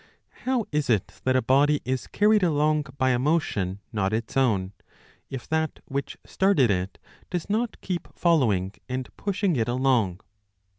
How is it that a body is carried along by a motion not 33 its own, if that which started it does not keep following and pushing it along